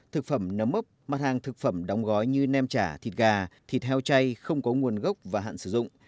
thực phẩm nấm ốc mặt hàng thực phẩm đóng gói như nem chả thịt gà thịt heo chay không có nguồn gốc và hạn sử dụng